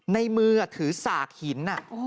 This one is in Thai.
ในมือถือสากหิน